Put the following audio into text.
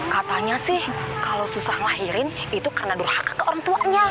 katanya sih kalau susah ngelahirin itu karena durhaka ke orang tuanya